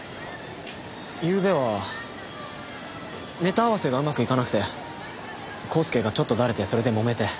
ゆうべはネタ合わせがうまくいかなくてコースケがちょっとダレてそれでもめて。